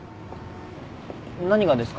何がですか？